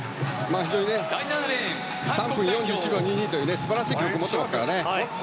非常に３分４８秒２２という素晴らしい記録を持っていますからね。